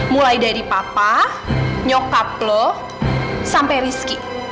mulai dari papa nyokap lo sampai rizky